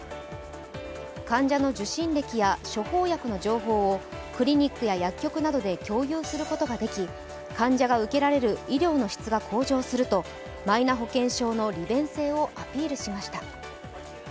患者の受診歴や処方薬の情報をクリニックや薬局などで共有することができ患者が受けられる医療の質が向上するとマイナ保険証の利便性をアピールしました。